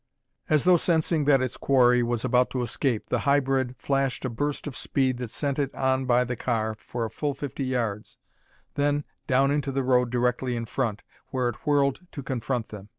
As though sensing that its quarry was about to escape, the hybrid flashed a burst of speed that sent it on by the car for a full fifty yards, then down into the road directly in front, where it whirled to confront them.